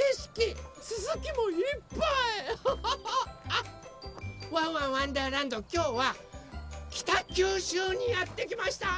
あっ「ワンワンわんだーらんど」きょうは北九州にやってきました！